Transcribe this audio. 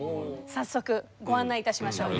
早速ご案内いたしましょう。